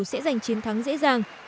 sẽ giành chiến thắng dễ dàng